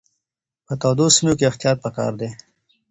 په تودو سیمو کې احتیاط پکار دی.